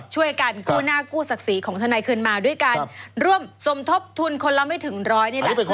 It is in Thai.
ช่วยกันกู้หน้ากู้ศักดิ์ศรีของทนายคืนมาด้วยการร่วมสมทบทุนคนละไม่ถึงร้อยนี่แหละ